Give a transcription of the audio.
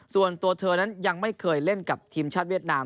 ส่วนตัวเธอนั้นยังไม่เคยเล่นกับทีมชาติเวียดนาม